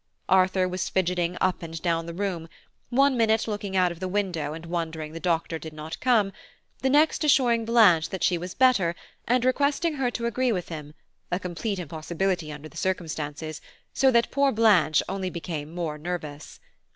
Arthur was fidgeting up and down the room, one minute looking out of the window and wondering the doctor did not come–the next assuring Blanche that she was better, and requesting her to agree with him, a complete impossibility under the circumstances, so that poor Blanche became only more nervous.